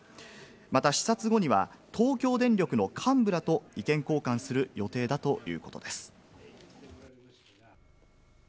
また、視察後には東京電力の幹部らと意見交換する予定だということです。